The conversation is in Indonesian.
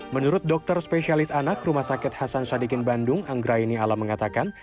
menurut dokter spesialis anak rumah sakit hasan sadikin bandung anggraini ala mengatakan